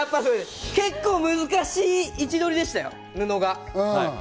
結構、難しい位置取りでしたよ、布が。